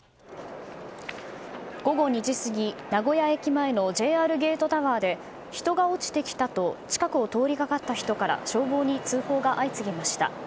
午後２時過ぎ、名古屋駅前のＪＲゲートタワーで人が落ちてきたと近くを通りかかった人から消防に通報が相次ぎました。